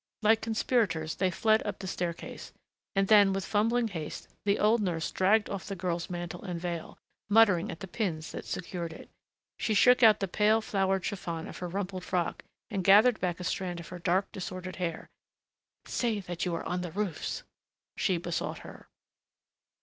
Like conspirators they fled up the staircase, and then with fumbling haste the old nurse dragged off the girl's mantle and veil, muttering at the pins that secured it. She shook out the pale flowered chiffon of her rumpled frock and gathered back a strand of her dark, disordered hair. "Say that you were on the roofs," she besought her.